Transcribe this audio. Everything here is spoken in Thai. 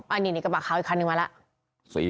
อันนี้นี่กระบะขาวอีกคันนึงมาแล้ว